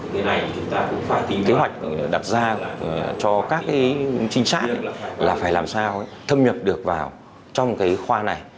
cái này chúng ta cũng phải tính hoạt đặt ra cho các trinh sát là phải làm sao thâm nhập được vào trong cái khoa này